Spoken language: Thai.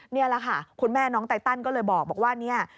นี่แหละค่ะคุณแม่น้องไตตันก็เลยบอกว่าเนี่ย